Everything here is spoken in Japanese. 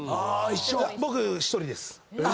僕１人です。